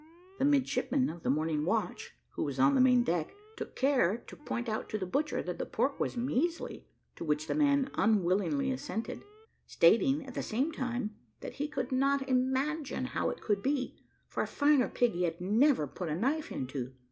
The midshipman of the morning watch, who was on the main deck, took care to point out to the butcher, that the pork was measly, to which the man unwilling assented, stating, at the same time, that he could not imagine how it could be, for a finer pig he had never put a knife into.